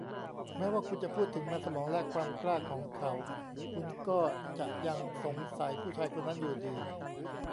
แม้ว่าคุณจะพูดถึงมันสมองและความกล้าของเขา คุณก็จะยังสงสัยผู้ชายคนนั้นอยู่ดี